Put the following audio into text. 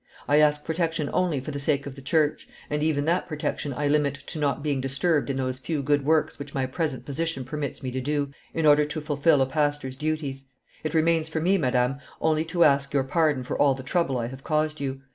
I ask protection only for the sake of the church, and even that protection I limit to not being disturbed in those few good works which my present position permits me to do, in order to fulfil a pastor's duties. It remains for me, madame, only to ask your pardon for all the trouble I have caused you.